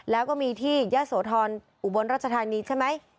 แล้วก็มีที่ยะโสธรอุบลรัชธานีใช่ไหม